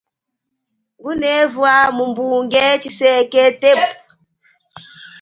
Ngunevu mumbunge chiseke tepu.